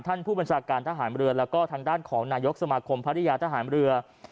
ผู้บัญชาการทหารเรือแล้วก็ทางด้านของนายกสมาคมภรรยาทหารเรือ